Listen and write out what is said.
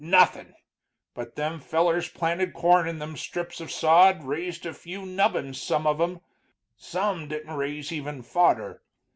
Nothin'. But them fellers planted corn in them strips of sod, raised a few nubbins, some of 'em, some didn't raise even fodder.